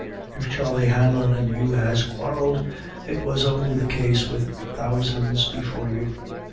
If Charley Hanlon and you has quarrelled, it was only the case with thousands before you.